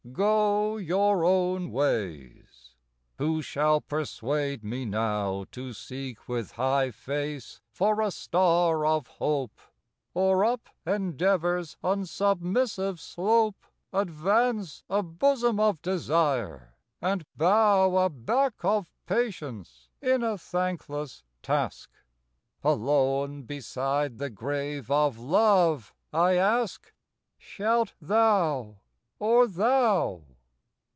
II. Go your own ways. Who shall persuade me now To seek with high face for a star of hope? Or up endeavor's unsubmissive slope Advance a bosom of desire, and bow A back of patience in a thankless task? Alone beside the grave of love I ask, Shalt thou? or thou?